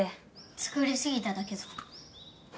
作りすぎただけぞ。